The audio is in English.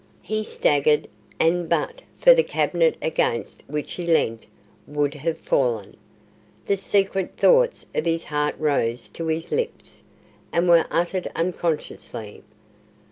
He staggered, and but for the cabinet against which he leant, would have fallen. The secret thoughts of his heart rose to his lips, and were uttered unconsciously.